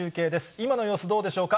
今の様子、どうでしょうか。